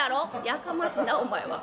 「やかましいなお前は。